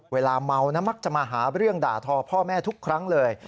เวลาเมานะมักจะมาหาเรื่องด่าทอพ่อแม่ทุกครั้งเลย